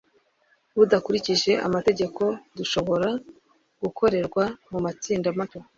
budakurikije amategeko dushobora gukorerwa mu matsinda mato